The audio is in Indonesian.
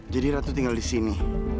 jadi ratu tinggal di sini